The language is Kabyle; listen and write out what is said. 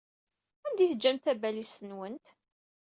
Anda ay teǧǧamt tabalizt-nwent?